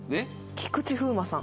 菊池風磨さん。